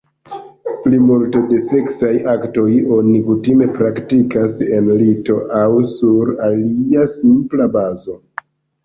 Plimulton de seksaj aktoj oni kutime praktikas en lito aŭ sur alia simpla bazo.